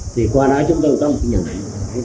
thì qua đó chúng tôi có một nhận định như thế này